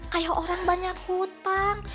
kayak orang banyak hutang